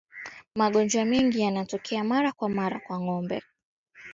Magonjwa mengine yanayotokea mara kwa mara kwa ngombe